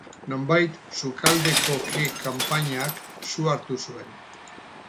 Nonbait, sukaldeko ke-kanpainak su hartu zuen.